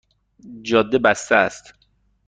جاده بسته است